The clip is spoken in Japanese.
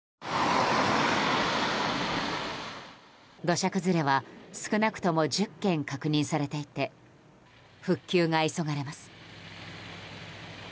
土砂崩れは少なくとも１０件確認されていて復旧が急がれます。